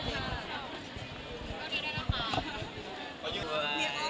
ค่ะโอเคขอบคุณค่ะ